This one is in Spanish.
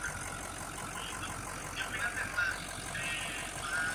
El álbum es prominente en el uso de sintetizadores.